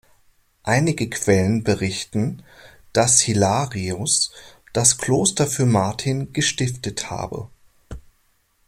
Einige Quellen berichten, dass Hilarius das Kloster für Martin gestiftet habe.